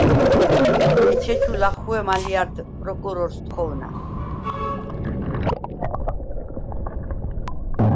ეჩეჩუ ლახუ̂ემხ ალჲა̈რდ პროკროუ̂ს თხოუ̂ნა: